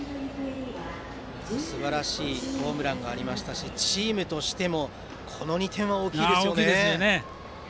すばらしいホームランがありましたしチームとしても大きいですね。